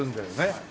はい。